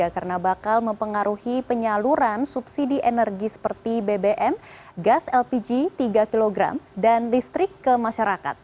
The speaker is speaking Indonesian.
karena bakal mempengaruhi penyaluran subsidi energi seperti bbm gas lpg tiga kg dan listrik ke masyarakat